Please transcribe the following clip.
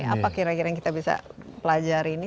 apa kira kira yang kita bisa pelajari ini